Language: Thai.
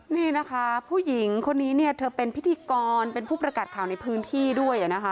นี่นะคะผู้หญิงคนนี้เนี่ยเธอเป็นพิธีกรเป็นผู้ประกาศข่าวในพื้นที่ด้วยนะคะ